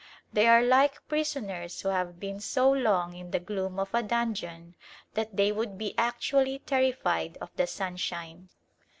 They are like prisoners who have been so long in the gloom of a dungeon that they would be actually terrified of the sunshine.